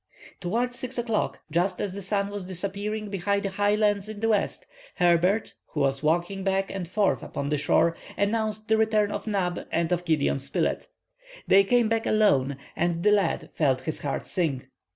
Towards 6 o'clock, just as the sun was disappearing behind the high land in the west, Herbert, who was walking back and forth upon the shore, announced the return of Neb and of Gideon Spilett. They came back alone, and the lad felt his heart sink.